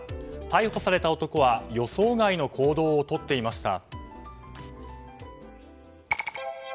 逮捕された男は予想外の行動をとっていました。